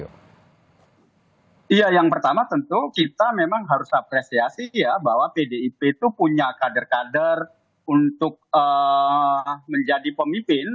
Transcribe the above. iya yang pertama tentu kita memang harus apresiasi ya bahwa pdip itu punya kader kader untuk menjadi pemimpin